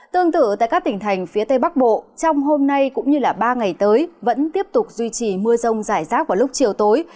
tương tự tại các tỉnh thành phía tây bắc bộ trong hôm nay cũng như ba ngày tới vẫn tiếp tục duy trì mưa rông rải rác vào lúc chiều tối